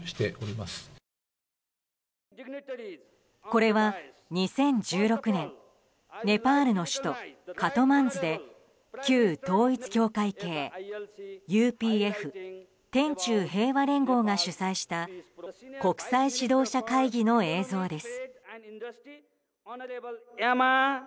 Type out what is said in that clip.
これは２０１６年ネパールの首都カトマンズで旧統一教会系ＵＰＦ・天宙平和連合が主催した国際指導者会議の映像です。